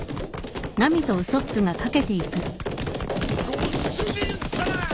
・ご主人さま！